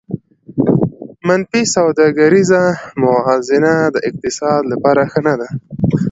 منفي سوداګریزه موازنه د اقتصاد لپاره ښه نه ده